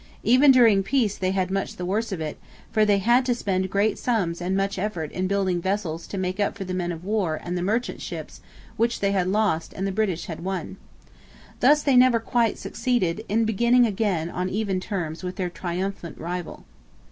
Even during peace they had much the worse of it, for they had to spend great sums and much effort in building vessels to make up for the men of war and the merchant ships which they had lost and the British had won. Thus they never quite succeeded in beginning again on even terms with their triumphant rival.